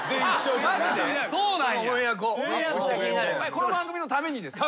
この番組のためにですか？